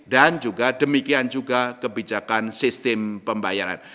dan juga demikian juga kebijakan sistem pembayaran